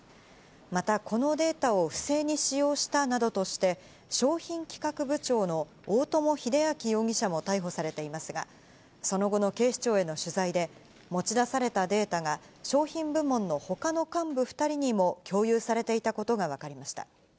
またこのデータを不正に使用したなどとして、商品企画部長の大友英昭容疑者も逮捕されていますが、その後の警視庁への取材で、持ち出されたデータが、商品部門のほかの幹部２人にも共有されていたことが分かりました。